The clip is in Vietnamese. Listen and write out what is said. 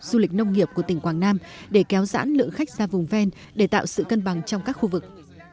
du lịch nông nghiệp của tỉnh quảng nam để kéo dãn lượng khách ra vùng ven để tạo sự cân bằng trong các khu vực